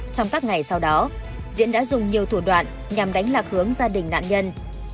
trong các ngày sau đó diễn đã dùng nhiều thủ đoạn nhằm đánh lạc hướng gia đình nạn nhân